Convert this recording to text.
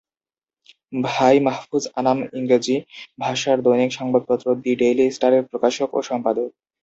ভাই মাহফুজ আনাম ইংরেজি ভাষার দৈনিক সংবাদপত্র দি ডেইলি স্টারের প্রকাশক ও সম্পাদক।